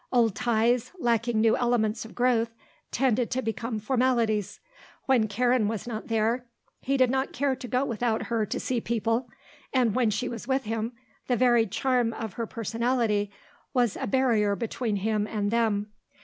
Old ties, lacking new elements of growth, tended to become formalities. When Karen was not there, he did not care to go without her to see people, and when she was with him the very charm of her personality was a barrier between him and them.